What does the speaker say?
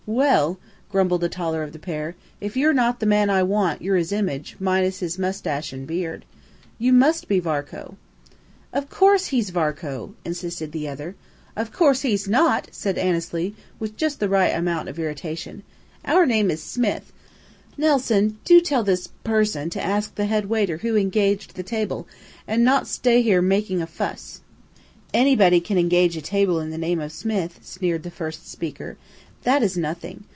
"Well!" grumbled the taller of the pair. "If you're not the man I want, you're his image minus moustache and beard. You must be Varcoe!" "Of course he's Varcoe," insisted the other. "Of course he's not!" said Annesley, with just the right amount of irritation. "Our name is Smith. Nelson, do tell this person to ask the head waiter who engaged the table, and not stay here making a fuss." "Anybody can engage a table in the name of Smith!" sneered the first speaker. "That is nothing.